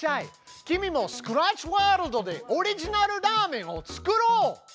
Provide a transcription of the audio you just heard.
君もスクラッチワールドでオリジナルラーメンを作ろう！